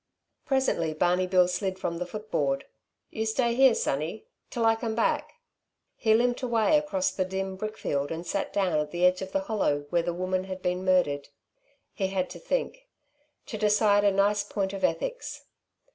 Presently Barney Bill slid from the footboard. "You stay here, sonny, till I come back." He limped away across the dim brickfield and sat down at the edge of the hollow where the woman had been murdered. He had to think; to decide a nice point of ethics.